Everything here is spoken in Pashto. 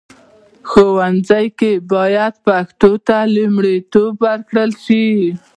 ښوونځي باید پښتو ته لومړیتوب ورکړي.